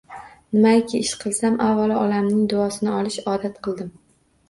Nimaiki ish qilsam, avvalo, onamning duosini olishni odat qildim